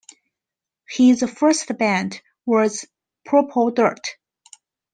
His first band was Purple Dirt.